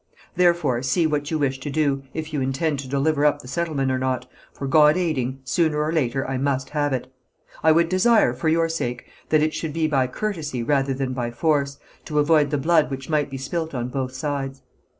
Therefore see what you wish to do, if you intend to deliver up the settlement or not, for, God aiding, sooner or later I must have it. I would desire, for your sake, that it should be by courtesy rather than by force, to avoid the blood which might be spilt on both sides.